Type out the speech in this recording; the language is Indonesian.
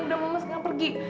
udah mama sekarang pergi